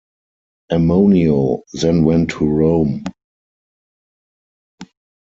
Ammonio then went to Rome.